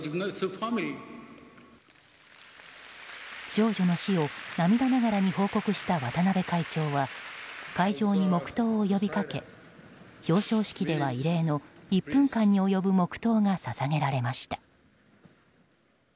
少女の死を涙ながらに報告した渡邊会長は会場に黙祷を呼びかけ表彰式では異例の１分間に及ぶ黙祷が捧げられました。